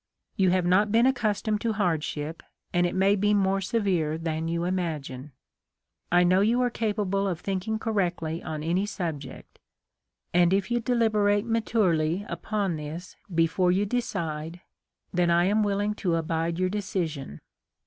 You have not been accustomed to hardship, and it may be more severe than you imagine. I know you are capable of thinking correctly on any subject ; and if you deliberate maturely upon this before you decide, then I am willing to abide your decision.